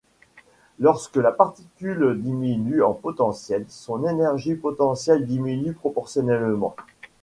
Lorsque la particule diminue en potentiel, son énergie potentielle diminue proportionnellement.